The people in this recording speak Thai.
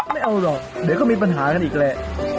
ไม่เอาหรอกเดี๋ยวก็มีปัญหากันอีกแหละ